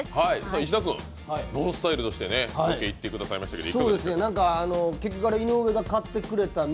石田君、ＮＯＮＳＴＹＬＥとしてロケ行ってくださいましたけど、いかがでしたか？